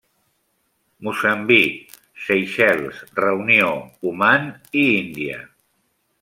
Moçambic, Seychelles, Reunió, Oman i Índia.